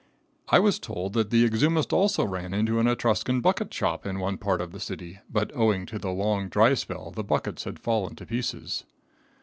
I was told that the exhumist also ran into an Etruscan bucket shop in one part of the city, but, owing to the long, dry spell, the buckets had fallen to pieces.